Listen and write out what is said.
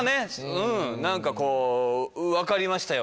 うん何かこう分かりましたよ